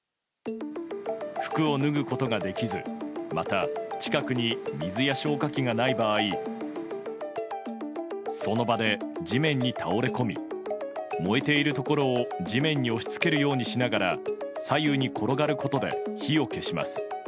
服を脱ぐことができず、また近くに水や消火器がない場合その場で地面に倒れ込み燃えているところを地面に押し付けるようにしながら左右に転がることで火を消します。